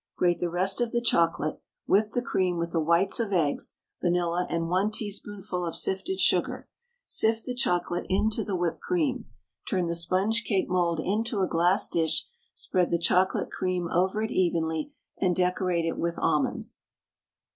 Grate the rest of the chocolate, whip the cream with the whites of eggs, vanilla, and 1 teaspoonful of sifted sugar; sift the chocolate into the whipped cream. Turn the sponge cake mould into a glass dish, spread the chocolate cream over it evenly, and decorate it with almonds.